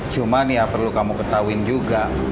cuma nih perlu kamu ketahuin juga